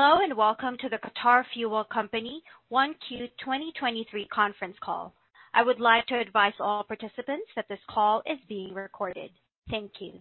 Hello, welcome to the Qatar Fuel Company 1Q 2023 conference call. I would like to advise all participants that this call is being recorded. Thank you.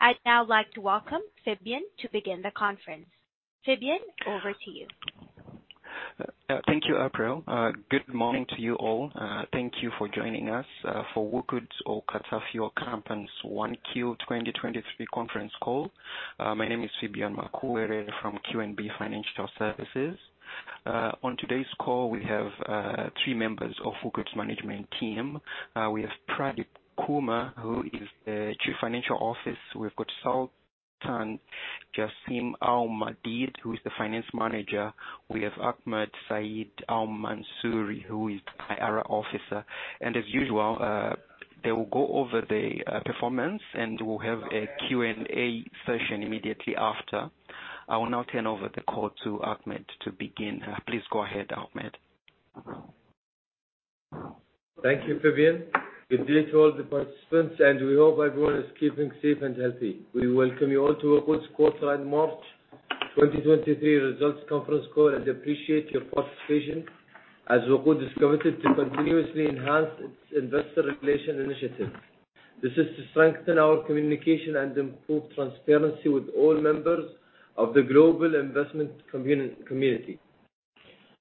I'd now like to welcome Fabian to begin the conference. Fabian, over to you. Thank you, April. Good morning to you all. Thank you for joining us for WOQOD or Qatar Fuel Company's Q1 2023 conference call. My name is Fabian Makuere from QNB Financial Services. On today's call, we have three members of WOQOD management team. We have Pradeep Kumar, who is the Chief Financial Officer. We've got Sultan Jassim Al-Maadeed, who is the Finance Manager. We have Ahmad Al-Mansoori, who is IR Officer. As usual, they will go over the performance, and we'll have a Q&A session immediately after. I will now turn over the call to Ahmad to begin. Please go ahead, Ahmad. Thank you, Fabian. Good day to all the participants, and we hope everyone is keeping safe and healthy. We welcome you all to WOQOD quarter and March 2023 results conference call and appreciate your participation as WOQOD is committed to continuously enhance its investor relations initiatives. This is to strengthen our communication and improve transparency with all members of the global investment community.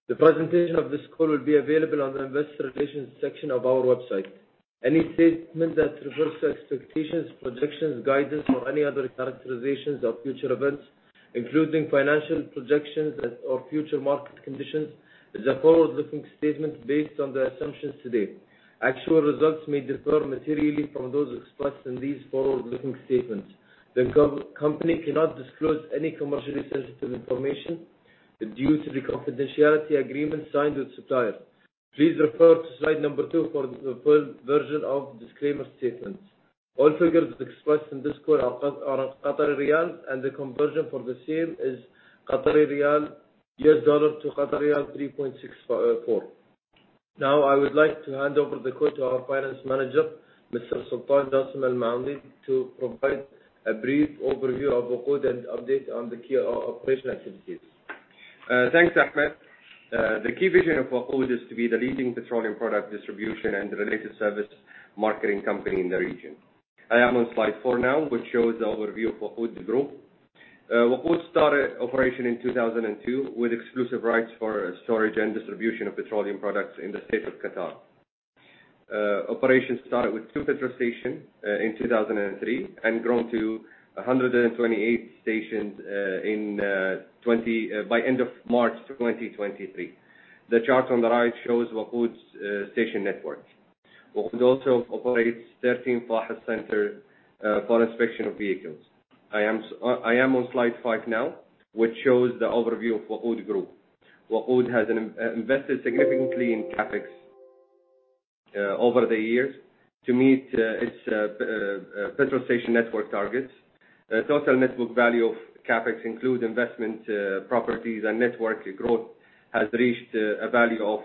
The presentation of this call will be available on the investor relations section of our website. Any statement that refers to expectations, projections, guidance, or any other characterizations of future events, including financial projections or future market conditions, is a forward-looking statement based on the assumptions today. Actual results may differ materially from those expressed in these forward-looking statements. The company cannot disclose any commercially sensitive information due to the confidentiality agreement signed with suppliers. Please refer to slide number two for the full version of disclaimer statements. All figures expressed in this call are Qatari riyals, and the conversion for the same is Qatari riyal U.S. dollar to Qatari riyal 3.64. Now, I would like to hand over the call to our Finance Manager, Mr. Sultan Jassim Al-Maadeed, to provide a brief overview of WOQOD and update on the key operational activities. Thanks, Ahmed. The key vision of WOQOD is to be the leading petroleum product distribution and related service marketing company in the region. I am on slide four now, which shows the overview of WOQOD Group. WOQOD started operation in 2002 with exclusive rights for storage and distribution of petroleum products in the state of Qatar. Operations started with two petrol station in 2003 and grown to 128 stations by end of March 2023. The chart on the right shows WOQOD's station network. WOQOD also operates 13 FAHES center for inspection of vehicles. I am on slide five now, which shows the overview of WOQOD Group. WOQOD has invested significantly in CapEx over the years to meet its petrol station network targets. The total net book value of CapEx include investment properties and network growth has reached a value of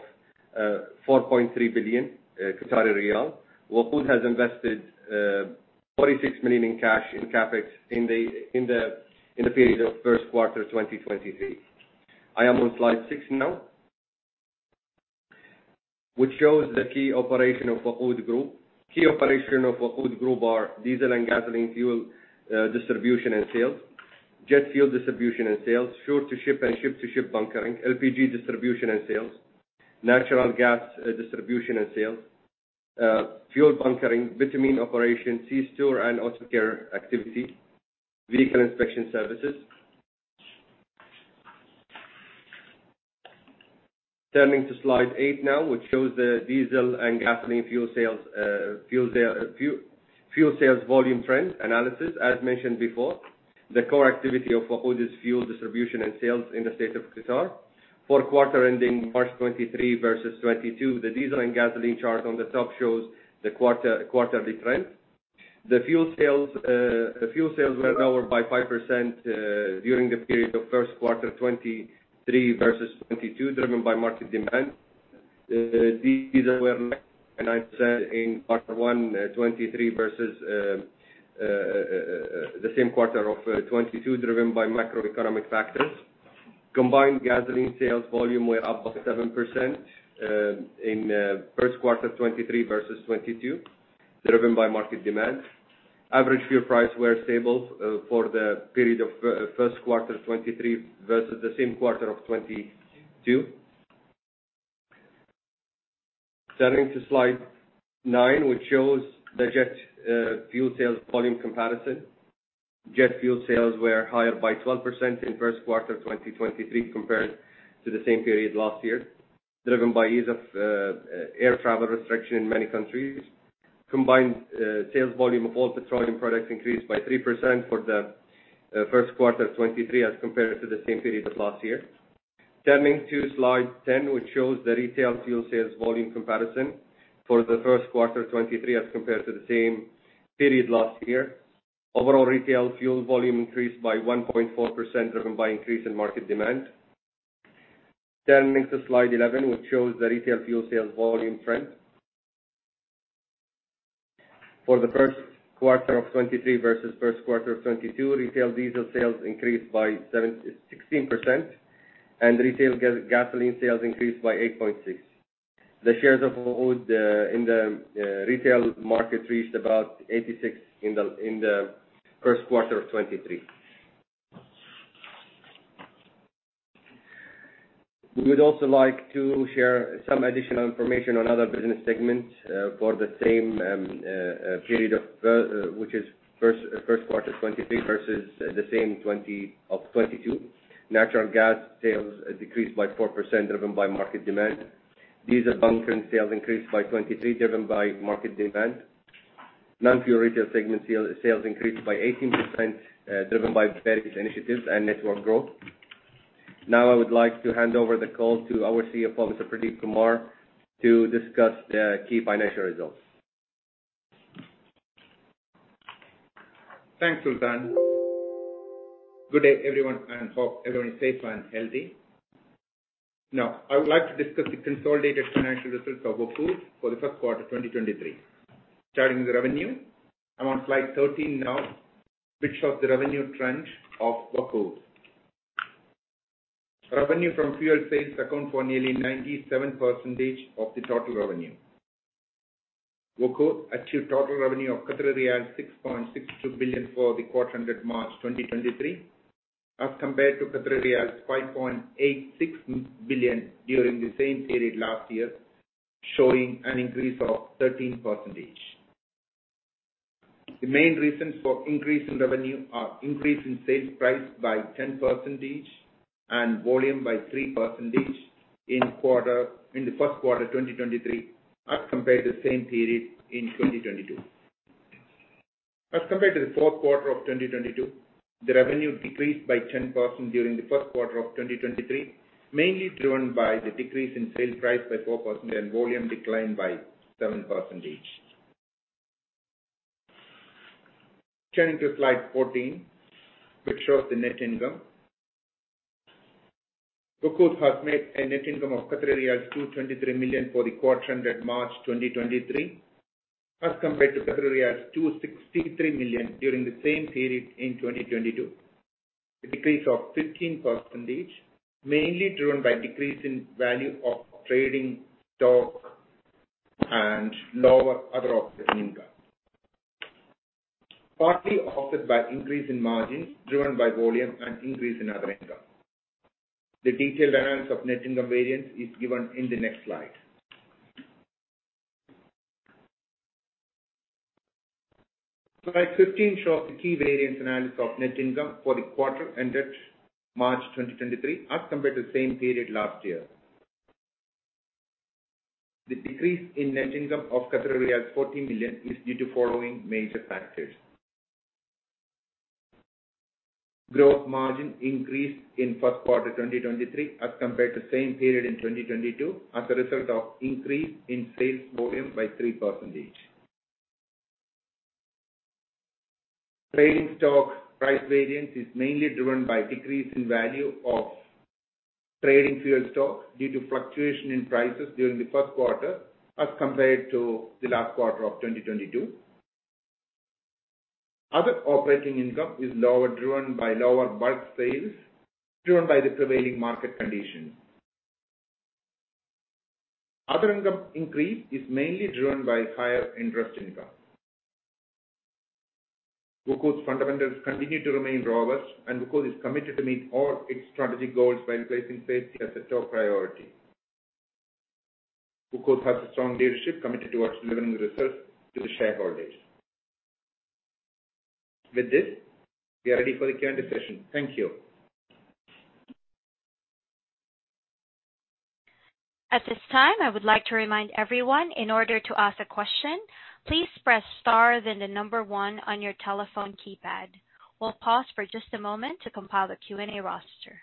4.3 billion Qatari riyal. WOQOD has invested 46 million in cash in CapEx in the period of first quarter 2023. I am on slide six now, which shows the key operation of WOQOD Group. Key operation of WOQOD Group are diesel and gasoline fuel distribution and sales, jet fuel distribution and sales, shore-to-ship and ship-to-ship bunkering, LPG distribution and sales, natural gas distribution and sales, fuel bunkering, bitumen operation, c-store and auto care activity, vehicle inspection services. Turning to slide eight now, which shows the diesel and gasoline fuel sales volume trends analysis. As mentioned before, the core activity of WOQOD is fuel distribution and sales in the state of Qatar. For quarter ending March 2023 versus 2022, the diesel and gasoline chart on the top shows the quarterly trend. The fuel sales were lower by 5% during the period of first quarter 2023 versus 2022, driven by market demand. The diesel were in quarter one 2023 versus the same quarter of 2022, driven by macroeconomic factors. Combined gasoline sales volume were up by 7% in first quarter 2023 versus 2022, driven by market demand. Average fuel price were stable for the period of first quarter 2023 versus the same quarter of 2022. Turning to slide nine, which shows the jet fuel sales volume comparison. Jet fuel sales were higher by 12% in first quarter 2023 compared to the same period last year, driven by ease of air travel restriction in many countries. Combined, sales volume of all petroleum products increased by 3% for the first quarter 2023 as compared to the same period of last year. Turning to Slide 10, which shows the retail fuel sales volume comparison for the first quarter 2023 as compared to the same period last year. Overall retail fuel volume increased by 1.4%, driven by increase in market demand. Turning to Slide 11, which shows the retail fuel sales volume trend. For the first quarter of 2023 versus first quarter of 2022, retail diesel sales increased by 16%, and retail gasoline sales increased by 8.6%. The shares of our own in the retail market reached about 86% in the first quarter of 2023. We would also like to share some additional information on other business segments for the same period which is first quarter 2023 versus the same of 2022. Natural gas sales decreased by 4% driven by market demand. Diesel bunkering sales increased by 23%, driven by market demand. Non-fuel retail segment sales increased by 18%, driven by various initiatives and network growth. Now I would like to hand over the call to our CFO, Mr. Pradeep Kumar, to discuss the key financial results. Thanks, Sultan. Hope everyone is safe and healthy. I would like to discuss the consolidated financial results of WOQOD for the first quarter of 2023. Starting with revenue, I'm on Slide 13 now, which shows the revenue trend of WOQOD. Revenue from fuel sales account for nearly 97% of the total revenue. WOQOD achieved total revenue of 6.62 billion for the quarter ended March 2023, as compared to 5.86 billion during the same period last year, showing an increase of 13%. The main reasons for increase in revenue are increase in sales price by 10% and volume by 3% in the first quarter of 2023 as compared to the same period in 2022. As compared to the fourth quarter of 2022, the revenue decreased by 10% during the first quarter of 2023, mainly driven by the decrease in sale price by 4% and volume declined by 7%. Turning to Slide 14, which shows the net income. WOQOD has made a net income of 223 million for the quarter ended March 2023, as compared to 263 million during the same period in 2022. A decrease of 15%, mainly driven by decrease in value of trading stock and lower other operating income. Partly offset by increase in margins driven by volume and increase in other income. The detailed analysis of net income variance is given in the next slide. Slide 15 shows the key variance analysis of net income for the quarter ended March 2023 as compared to the same period last year. The decrease in net income of 40 million is due to following major factors. Growth margin increased in first quarter 2023 as compared to same period in 2022 as a result of increase in sales volume by 3%. Trading stock price variance is mainly driven by decrease in value of trading fuel stock due to fluctuation in prices during the 1st quarter as compared to the last quarter of 2022. Other operating income is lower, driven by lower bulk sales, driven by the prevailing market condition. Other income increase is mainly driven by higher interest income. WOQOD's fundamentals continue to remain robust, and WOQOD is committed to meet all its strategic goals by placing safety as a top priority. WOQOD has a strong leadership committed towards delivering results to the shareholders. With this, we are ready for the Q&A session. Thank you. At this time, I would like to remind everyone, in order to ask a question, please press star then the number one on your telephone keypad. We'll pause for just a moment to compile the Q&A roster.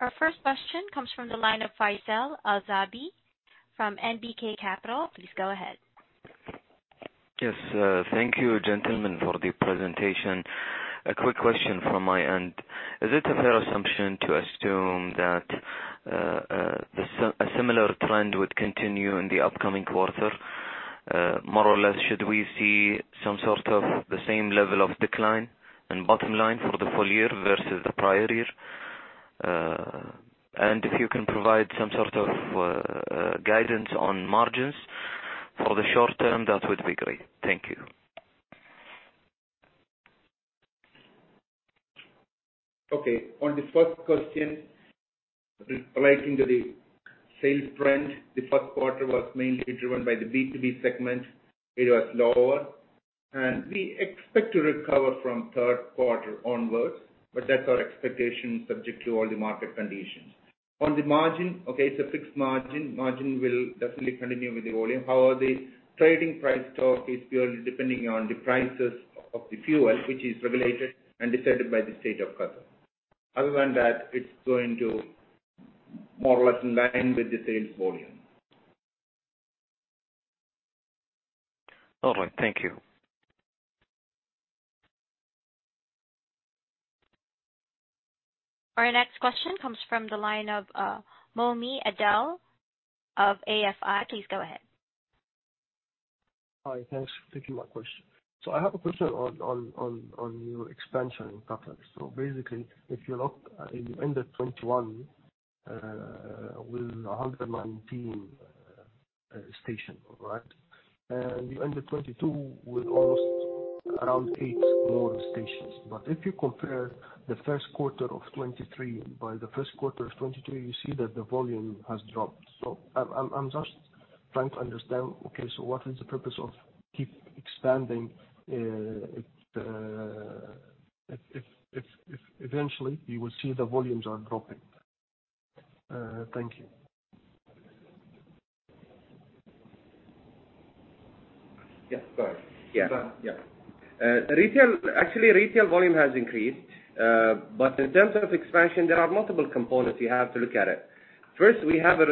Our first question comes from the line of Faisal Azzabi from NBK Capital. Please go ahead. Yes. Thank you, gentlemen, for the presentation. A quick question from my end. Is it a fair assumption to assume that a similar trend would continue in the upcoming quarter? More or less, should we see some sort of the same level of decline in bottom line for the full year versus the prior year? If you can provide some sort of guidance on margins for the short term, that would be great. Thank you. On the first question relating to the sales trend, the first quarter was mainly driven by the B2B segment. It was lower, and we expect to recover from third quarter onwards, but that's our expectation subject to all the market conditions. On the margin, okay, it's a fixed margin. Margin will definitely continue with the volume. The trading price stock is purely depending on the prices of the fuel, which is regulated and decided by the state of Qatar. It's going to more or less in line with the sales volume. Thank you. Our next question comes from the line of Mo'men Adel of AFI. Please go ahead. Hi. Thanks for taking my question. I have a question on your expansion in Qatar. Basically, if you look in the end of 2021, with 119 station, all right? You end of 2022 with almost around eight more stations. If you compare the first quarter of 2023 by the first quarter of 2023, you see that the volume has dropped. I'm just trying to understand, okay, what is the purpose of keep expanding, if eventually you will see the volumes are dropping. Thank you. Yeah. Go ahead. Yeah. Yeah. actually retail volume has increased. In terms of expansion, there are multiple components you have to look at it. First, we have a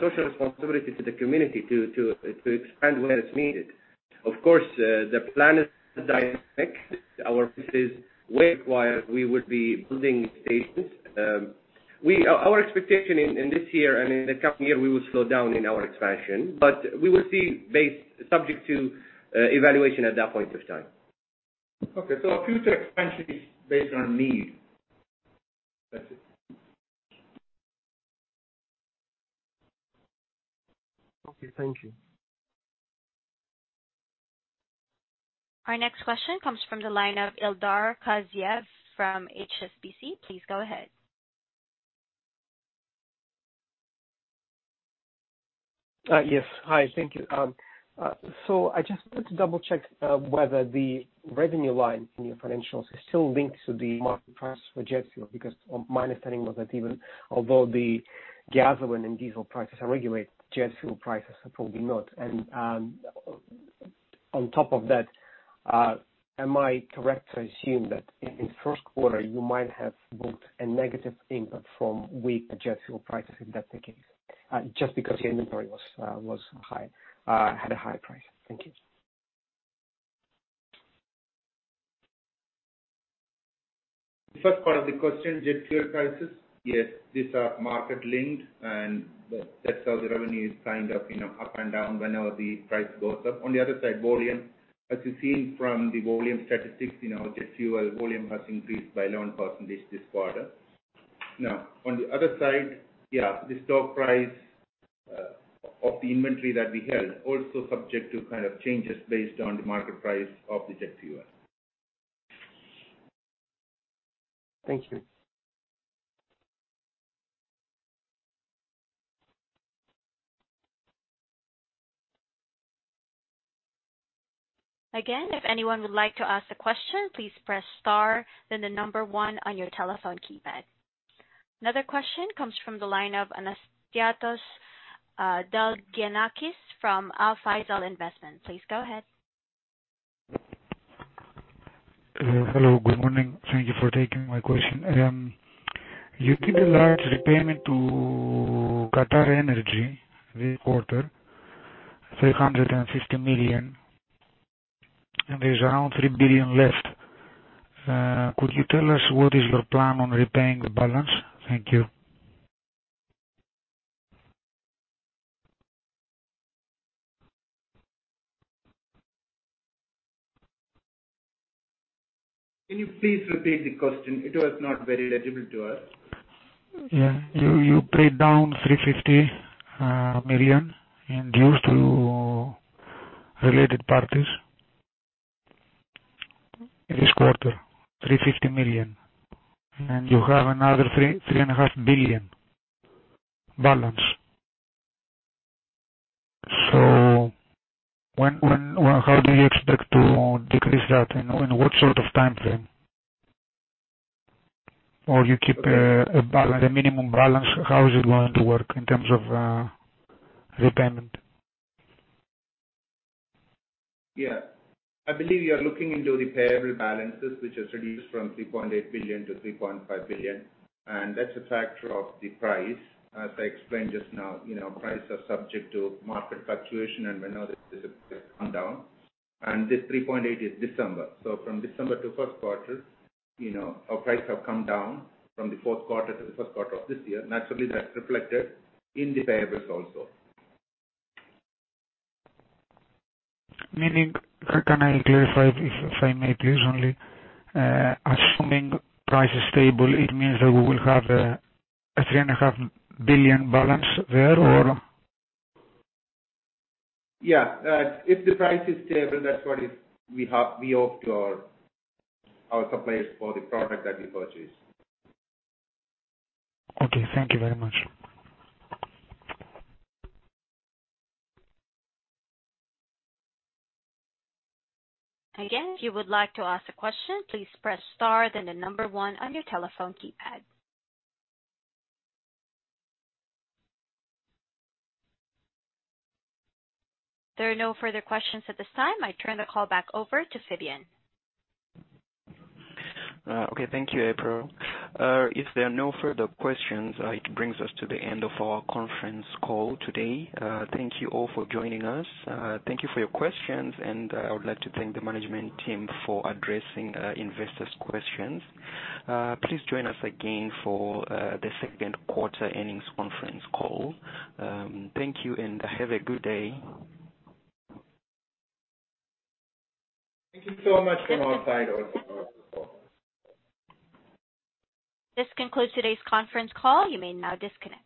social responsibility to the community to expand where it's needed. Of course, the plan is dynamic. Our business is where required we would be building stations. Our expectation in this year and in the coming year, we will slow down in our expansion. We will see based subject to evaluation at that point of time. Okay. Future expansion is based on need. That's it. Okay. Thank you. Our next question comes from the line of Ildar Khaziev from HSBC. Please go ahead. Yes. Hi. Thank you. I just want to double check whether the revenue line in your financials is still linked to the market price for jet fuel. Because my understanding was that even although the gasoline and diesel prices are regulated, jet fuel prices are probably not. On top of that, am I correct to assume that in first quarter you might have booked a negative input from weak jet fuel prices if that's the case, just because your inventory was high, had a higher price? Thank you. First part of the question, jet fuel prices. Yes, these are market linked. That's how the revenue is kind of, you know, up and down whenever the price goes up. On the other side, volume. As you seen from the volume statistics, you know, jet fuel volume has increased by 9% this quarter. On the other side, yeah, the stock price of the inventory that we held also subject to kind of changes based on the market price of the jet fuel. Thank you. Again, if anyone would like to ask a question, please press star then the number one on your telephone keypad. Another question comes from the line of Anastiatas Delgienakis from Alpha Izal Investments. Please go ahead. Hello. Good morning. Thank you for taking my question. You did a large repayment to QatarEnergy this quarter, 350 million, and there's around 3 billion left. Could you tell us what is your plan on repaying the balance? Thank you. Can you please repeat the question? It was not very legible to us. Yeah. You paid down 350 million in dues to related parties this quarter, 350 million. You have another 3.5 billion balance. When do you expect to decrease that? In what sort of timeframe? You keep a balance, a minimum balance. How is it going to work in terms of repayment? Yeah. I believe you are looking into repayable balances, which has reduced from 3.8 billion-3.5 billion, and that's a factor of the price. As I explained just now, you know, prices are subject to market fluctuation and whenever there's a come down. This 3.8 billion is December. From December to first quarter, you know, our prices have come down from the fourth quarter to the first quarter of this year. Naturally, that's reflected in the payables also. Meaning, can I clarify, if I may, please, only, assuming price is stable, it means that we will have, a 3.5 billion balance there or? Yeah. If the price is stable, that's what is we hope to our suppliers for the product that we purchase. Okay. Thank you very much. Again, if you would like to ask a question, please press star then the one on your telephone keypad. There are no further questions at this time. I turn the call back over to Fabian. Okay. Thank you, April. If there are no further questions, it brings us to the end of our conference call today. Thank you all for joining us. Thank you for your questions. I would like to thank the management team for addressing investors' questions. Please join us again for the second quarter earnings conference call. Thank you, and have a good day. Thank you so much from our side also. This concludes today's conference call. You may now disconnect.